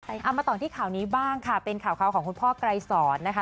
เอามาต่อที่ข่าวนี้บ้างค่ะเป็นข่าวของคุณพ่อไกรสอนนะคะ